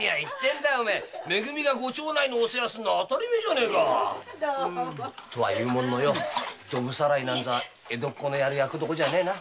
め組がご町内のお世話をするのは当たり前だよ。とは言うもののドブさらいなんか江戸っ子の役どころじゃねえな。